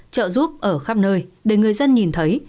trợ giúp ở khắp nơi để người dân nhìn thấy